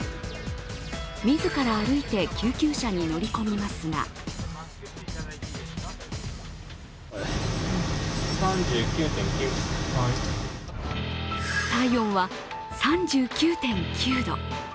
自ら歩いて救急車に乗り込みますが体温は３９．９度。